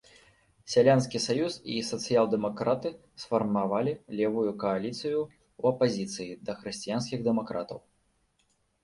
Сялянскі саюз і сацыял-дэмакраты сфармавалі левую кааліцыю ў апазіцыі да хрысціянскіх дэмакратаў.